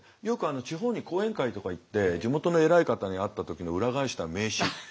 よく地方に講演会とか行って地元の偉い方に会った時の裏返した名刺